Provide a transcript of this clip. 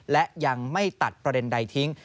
และยังไม่ตัดประเด็นใดทิ้ง